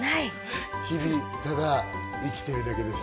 日々ただ生きてるだけです。